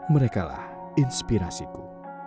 mereka lah inspirasiku